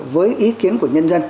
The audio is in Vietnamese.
với ý kiến của nhân dân